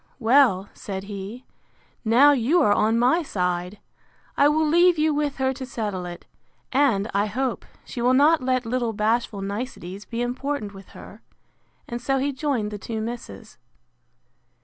—Well, said he, now you are on my side, I will leave you with her to settle it: and, I hope, she will not let little bashful niceties be important with her; and so he joined the two misses.